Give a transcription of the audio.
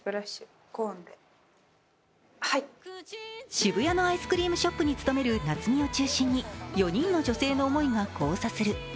渋谷のアイスクリームショップに勤める菜摘を中心に４人の女性の思いが交差する。